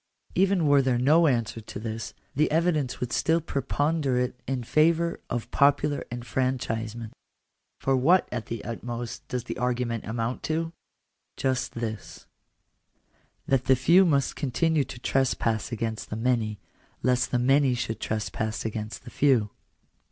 Even were there no answer to this, the evidence would still preponderate in favour of popular enfranchisement. For what at the utmost does the argument amount to ? Just this :— that the few must continue to trespass against the many, lest the many should trespass against the few.